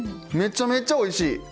めちゃめちゃおいしい！